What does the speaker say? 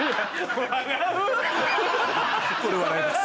これ笑います